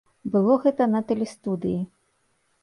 Было гэта на тэлестудыі.